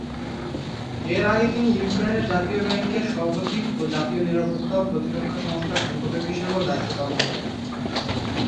এর আগে তিনি ইউক্রেনের জাতীয় ব্যাংকের সভাপতি ও জাতীয় নিরাপত্তা ও প্রতিরক্ষা সংস্থার সম্পাদক হিসেবেও দায়িত্ব পালন করেন।